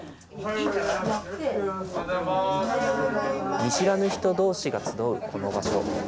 見知らぬ人どうしが集うこの場所。